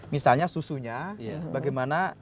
misalnya susunya bagaimana ini